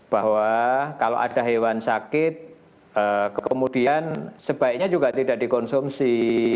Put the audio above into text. bahwa kalau ada hewan sakit kemudian sebaiknya juga tidak dikonsumsi